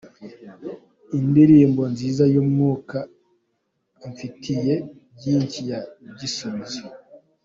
Indirimbo nziza y'umwaka: Amfitiye byinshi ya Gisubizo.